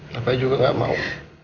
bapak juga gak mau